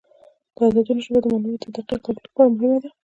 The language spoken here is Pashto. د عددونو ژبه د معلوماتو د دقیق تحلیل لپاره مهمه ده.